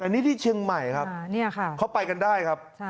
อันนี้ที่เชียงใหม่ครับเขาไปกันได้ครับ